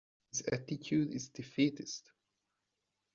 His attitude is defeatist.